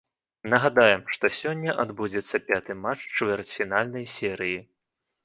Нагадаем, што сёння адбудзецца пяты матч чвэрцьфінальнай серыі.